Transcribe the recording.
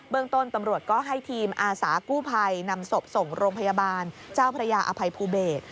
ต้นตำรวจก็ให้ทีมอาสากู้ภัยนำศพส่งโรงพยาบาลเจ้าพระยาอภัยภูเบศ